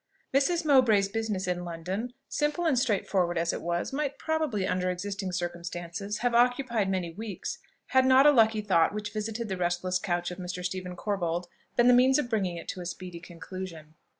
Mrs. Mowbray's business in London, simple and straightforward as it was, might probably under existing circumstances have occupied many weeks, had not a lucky thought which visited the restless couch of Mr. Stephen Corbold been the means of bringing it to a speedy conclusion.